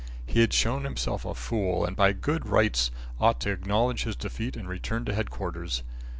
He had shown himself a fool and by good rights ought to acknowledge his defeat and return to Headquarters.